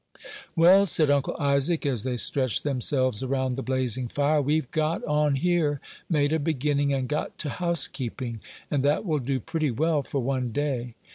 "Well," said Uncle Isaac, as they stretched themselves around the blazing fire, "we've got on here, made a beginning, and got to housekeeping; and that will do pretty well for one day.